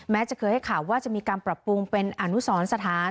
จะเคยให้ข่าวว่าจะมีการปรับปรุงเป็นอนุสรสถาน